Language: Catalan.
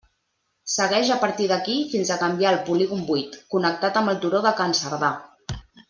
Segueix a partir d'aquí fins a canviar al polígon vuit, connectant amb el turó de Can Cerdà.